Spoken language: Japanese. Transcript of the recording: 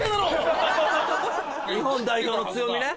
日本代表の強みね。